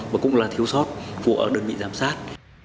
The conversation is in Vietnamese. và cũng là thiếu sót của đơn vị giám sát